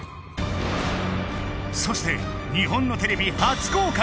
そして日本のテレビ初公開！